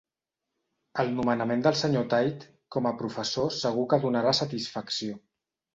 El nomenament del senyor Tait com a professor segur que donarà satisfacció.